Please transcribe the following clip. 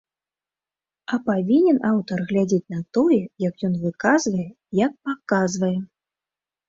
А павінен аўтар глядзець на тое, як ён выказвае, як паказвае.